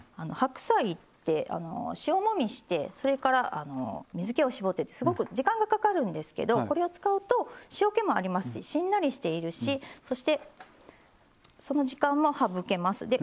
白菜って塩もみしてそれから水けを絞ってってすごく時間がかかるんですけどこれを使うと塩気もありますししんなりしているしそしてその時間も省けます。